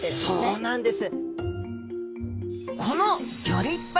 そうなんです！